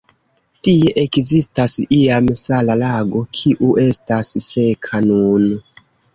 Tie ekzistis iam sala lago, kiu estas seka nun.